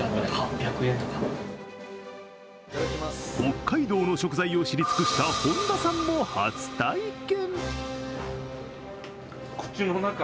北海道の食材を知り尽くした本田さんも初体験。